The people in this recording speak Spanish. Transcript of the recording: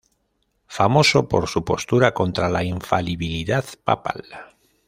Famoso por su postura contra la infalibilidad papal.